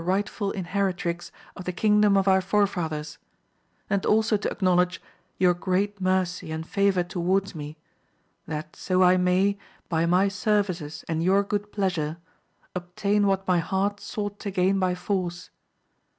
155 rightful inlieiitrix of the kingdom of our forefathers ; and also to acknowledge your great mercy and favour towards me, that so I may, by my services and your good pleasure, obtain what my heart sought to gain by force.